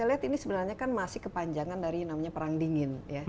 itu kan masih kepanjangan dari namanya perang dingin